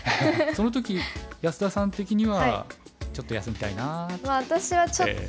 その時安田さん的にはちょっと休みたいなあって。